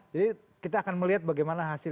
jadi kita akan melihat bagaimana hasil